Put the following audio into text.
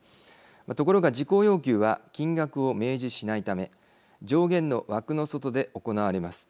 ところが事項要求は金額を明示しないため上限の枠の外で行われます。